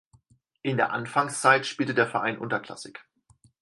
In der Anfangszeit spielte der Verein unterklassig.